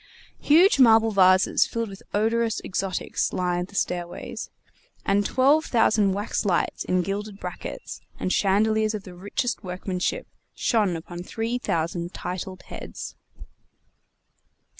Huge marble vases filled with odorous exotics lined the stairways, and twelve thousand wax lights in gilded brackets, and chandeliers of the richest workmanship, shone upon three thousand titled heads.